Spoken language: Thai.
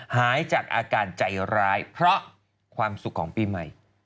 หายจากอาการใจร้ายเพราะความสุขของปีใหม่